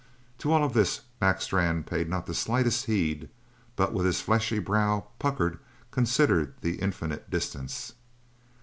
To all of this Mac Strann paid not the slightest heed, but with his fleshy brow puckered considered the infinite distance.